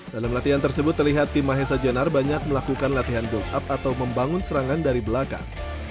dalam latihan tersebut terlihat tim mahesa jenar banyak melakukan latihan bull up atau membangun serangan dari belakang